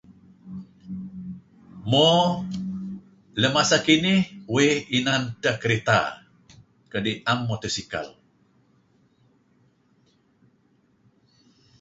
Mo lem masa kinih uih inan edteh kereta kai am motor sikal.